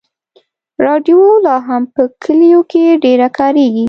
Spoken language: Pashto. راډیو لا هم په کلیو کې ډېره کارېږي.